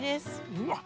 うわっ